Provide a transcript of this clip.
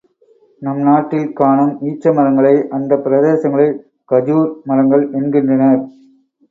நம் நாட்டில் காணும் ஈச்சமரங்களை அந்தப் பிரதேசங்களில் கஜுர் மரங்கள் என்கின்றனர்.